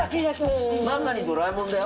まさにドラえもんだよ。